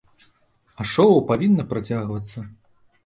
А шоу павінна працягвацца.